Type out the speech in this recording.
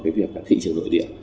cái việc thị trường nội địa